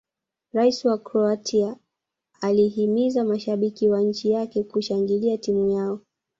rais wa croatia alihimiza mashabiki wa nchi yake kushangilia timu yao